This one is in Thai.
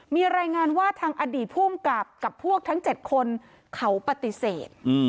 มีรายงานว่าทางอดีตภูมิกับกับพวกทั้ง๗คนเขาปฏิเสธ